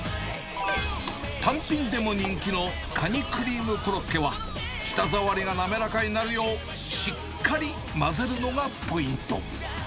単品でも人気のカニクリームコロッケは、舌触りが滑らかになるよう、しっかり混ぜるのがポイント。